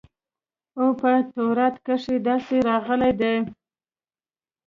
او په تورات کښې داسې راغلي دي.